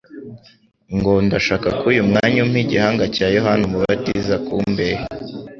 ngo: "Ndashaka ko uyu mwanya umpa igihanga cya Yohana umubatiza ku mbehe."